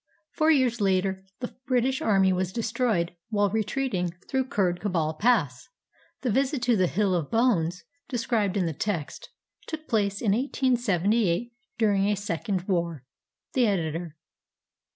Four years later, the British army was destroyed while retreating through Kurd Kabul Pass. The visit to the "Hill of Bones," described in the text, took place in 1878, during a second war. The Editor.